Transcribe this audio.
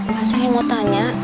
pak saya mau tanya